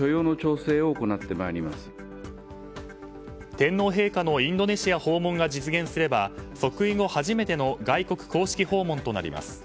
天皇陛下のインドネシア訪問が実現すれば即位後初めての外国公式訪問となります。